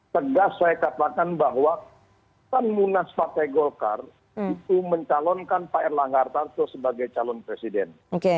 tegas saya katakan bahwa pan munas partai golkar itu mencalonkan pak erlangga hartarto sebagai calon presiden